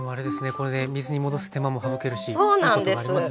これで水に戻す手間も省けるしいいことがありますね。